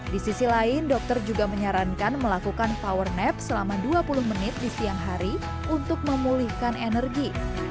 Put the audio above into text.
di sisi lain dokter juga menyarankan melakukan power nep selama dua puluh menit di siang hari untuk memulihkan energi